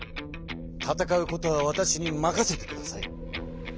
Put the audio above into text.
戦うことはわたしに任せてください。